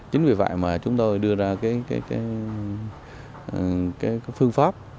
chính vì vậy mà chúng tôi đưa ra cái phương pháp